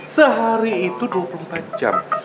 sehari itu dua puluh empat jam